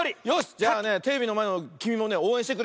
じゃあねテレビのまえのきみもねおうえんしてくれ。